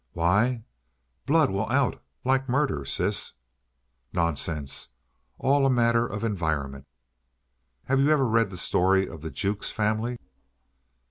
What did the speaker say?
"Why? Blood will out, like murder, sis." "Nonsense! All a matter of environment." "Have you ever read the story of the Jukes family?"